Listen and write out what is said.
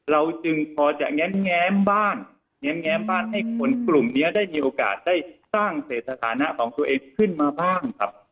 เราจึงพอจะแง้มบ้านแง้มบ้านให้คนกลุ่มนี้ได้มีโอกาสได้สร้างเสร็จสถานะของตัวเองขึ้นมาบ้างครับ